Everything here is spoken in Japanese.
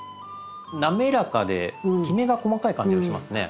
滑らかできめが細かい感じがしますね。